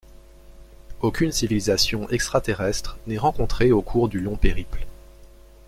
Aucune civilisation extraterrestre n'est rencontrée au cours du long périple.